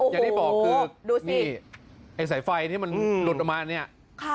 อย่างที่บอกคือนี่ไอ้สายไฟที่มันหลุดออกมาเนี่ย